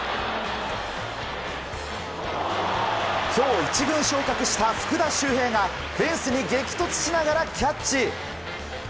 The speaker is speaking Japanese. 今日１軍に昇格した福田秀平がフェンスに激突しながらキャッチ！